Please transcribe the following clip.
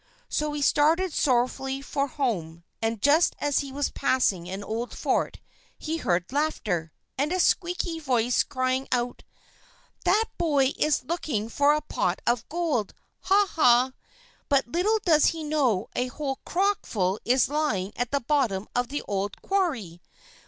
So he started sorrowfully for home, and just as he was passing an old fort he heard laughter, and a squeaky voice crying out: "That boy is looking for a pot of gold! ha! ha! But little does he know that a whole crock full is lying at the bottom of the old quarry.